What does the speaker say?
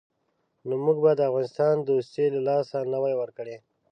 نو موږ به د افغانستان دوستي له لاسه نه وای ورکړې.